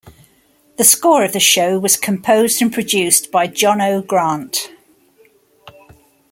The score of the show was composed and produced by Jono Grant.